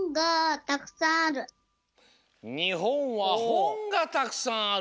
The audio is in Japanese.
「にほんはほんがたくさんある」。